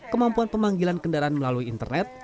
kemampuan pemanggilan kendaraan melalui internet